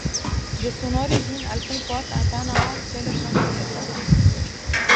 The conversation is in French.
Dès son origine, elle comporte un canal téléphonique et de télévision.